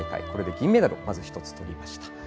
これで銀メダルを１つとりました。